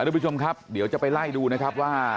ทุกผู้ชมครับเดี๋ยวจะไปไล่ดูนะครับว่า